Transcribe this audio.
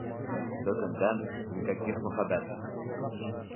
Бөгөндән никаких мөхәббәт!